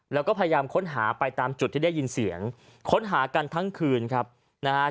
แล้วก็พยายามค้นหาไปตามจุดที่ได้ยินเสียงค้นหากันทั้งคืนครับนะฮะ